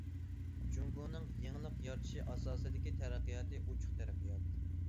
جۇڭگونىڭ يېڭىلىق يارىتىش ئاساسىدىكى تەرەققىياتى ئوچۇق تەرەققىيات.